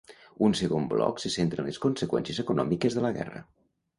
Un segon bloc se centra en les conseqüències econòmiques de la guerra.